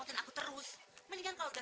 tolong kau berganda